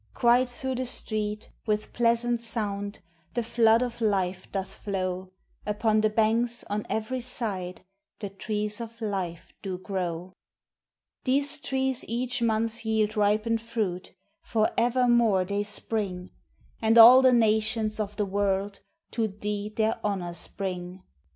Quite through the streets, with pleasant sound, The flood of life doth flow; Upon the banks, on every side, The trees of life do grow. These trees each month yield ripened fruit For evermore they spring; And all the nations of the world To thee their honors bring.